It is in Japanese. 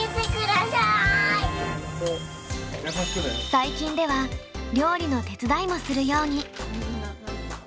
最近では料理の手伝いもするように。